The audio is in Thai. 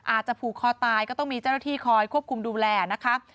อาจจะผูกคอตายก็ต้องมีเจ้าหน้าที่คอยควบคุมดูแลนะคะ